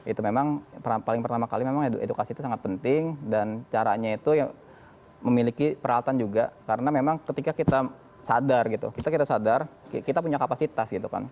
itu memang paling pertama kali memang edukasi itu sangat penting dan caranya itu memiliki peralatan juga karena memang ketika kita sadar gitu kita sadar kita punya kapasitas gitu kan